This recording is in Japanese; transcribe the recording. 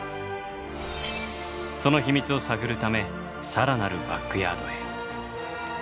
その秘密を探るため更なるバックヤードへ。